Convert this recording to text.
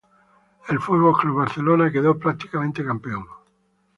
El F. C. Barcelona quedó prácticamente campeón.